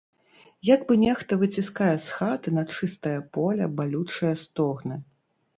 Як бы нехта выціскае з хаты на чыстае поле балючыя стогны.